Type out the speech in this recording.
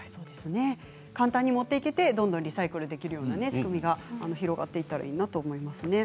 簡単に持っていけて、どんどんリサイクルできる仕組みが広がればいいなと思いますね。